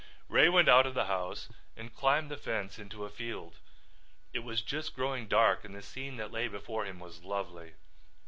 Ray went out of the house and climbed the fence into a field. It was just growing dark and the scene that lay before him was lovely.